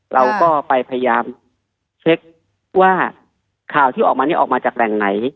เราก็ไปพยายามเช็คว่าข่าวที่ออกมานี่ออกมาจากแหล่งไหน